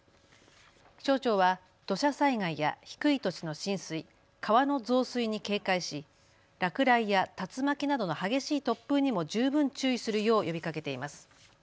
気象庁は土砂災害や低い土地の浸水、川の増水に警戒し落雷や竜巻などの激しい突風にも十分注意するよう呼びかけています。